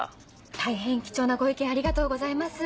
大変貴重なご意見ありがとうございます。